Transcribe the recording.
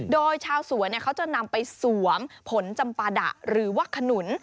โดยชาวสวนเขาจะนำไปสวมผลจำปาดะหรือว่าขนุน